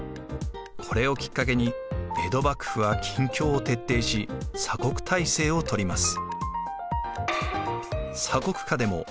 これをきっかけに江戸幕府は禁教を徹底し鎖国体制をとります。